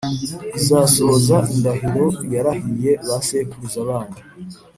izasohoza indahiro yarahiye ba sekuruza banyu